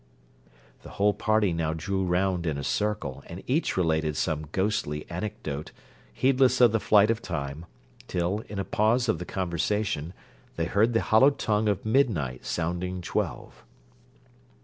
The whole party now drew round in a circle, and each related some ghostly anecdote, heedless of the flight of time, till, in a pause of the conversation, they heard the hollow tongue of midnight sounding twelve.